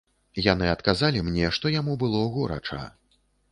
Яны адказалі мне, што яму было горача.